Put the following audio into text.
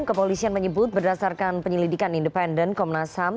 kepolisian menyebut berdasarkan penyelidikan independen komnasam